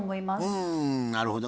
うんなるほど。